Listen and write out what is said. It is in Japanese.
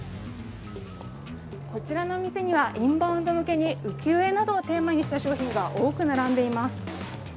こちらのお店にはインバウンド向けに浮世絵などをテーマにした商品が多く並んでいます。